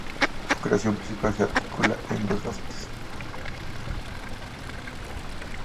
Su creación principal se articula en dos facetas.